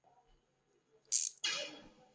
mjini Brussels wakati bendera za Uingereza zilitolewa